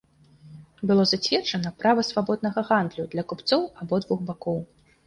Было зацверджана права свабоднага гандлю для купцоў абодвух бакоў.